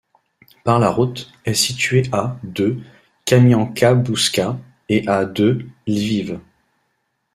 Par la route, est située à de Kamianka-Bouzka et à de Lviv.